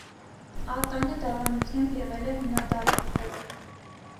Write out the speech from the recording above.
Ատանը դավանությամբ եղել է հունադավան (հոռոմ)։